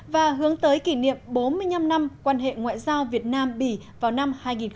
và hướng tới kỷ niệm bốn mươi năm năm quan hệ ngoại giao việt nam bỉ vào năm hai nghìn hai mươi